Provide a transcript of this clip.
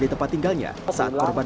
di tempat tinggalnya saat korban